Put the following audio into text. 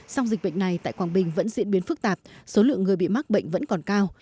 song dịch bệnh này tại quảng bình vẫn diễn biến phức tạp số lượng người bị mắc bệnh vẫn còn cao